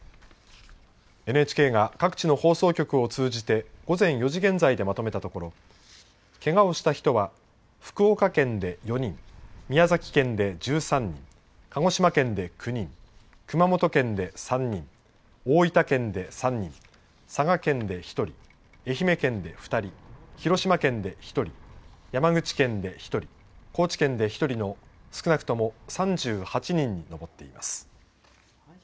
ＮＨＫが各地の放送局を通じて午前４時現在でまとめたところけがをした人は福岡県で４人、宮崎県で１３人、鹿児島県で９人、熊本県で３人、大分県で３人、佐賀県で１人、愛媛県で２人、広島県で１人、山口県で１人、高知県で１人の少なくとも３８人に上っています。